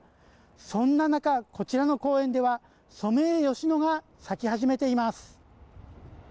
そんな中、こちらの公園ではソメイヨシノが咲き始めています。